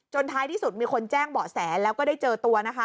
ท้ายที่สุดมีคนแจ้งเบาะแสแล้วก็ได้เจอตัวนะคะ